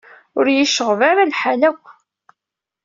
Ur y-iceɣɣeb ara lḥal akk.